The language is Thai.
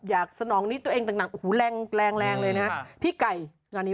สนองนิดตัวเองต่างโอ้โหแรงแรงแรงเลยนะฮะพี่ไก่งานนี้